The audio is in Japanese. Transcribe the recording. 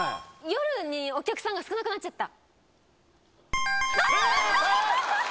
夜にお客さんが少なくなっちゃった。